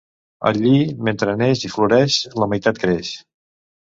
El lli, mentre neix i floreix, la meitat creix.